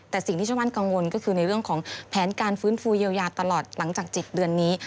แต่สิ่งที่ชาวบ้านกังวลก็คือในเรื่องของแผนการฟื้นฟูเยียวยาตลอดหลังจาก๗เดือนนี้